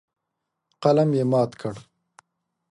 قلم یې مات کړ.